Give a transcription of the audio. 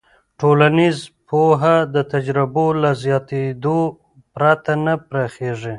ټولنیز پوهه د تجربو له زیاتېدو پرته نه پراخېږي.